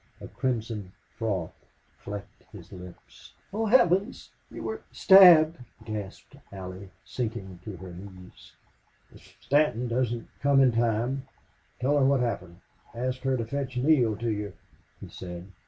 A crimson froth flecked his lips. "Oh Heaven! You were stabbed!" gasped Allie, sinking to her knees. "If Stanton doesn't come in time tell her what happened ask her to fetch Neale to you," he said.